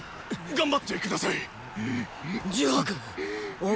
頑張って下さい！